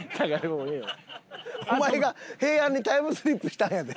お前が平安にタイムスリップしたんやで。